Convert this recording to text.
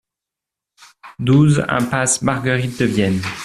douze impasse Marguerite de Vienne